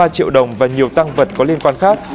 ba triệu đồng và nhiều tăng vật có liên quan khác